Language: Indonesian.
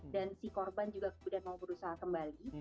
dan si korban juga kemudian mau berusaha kembali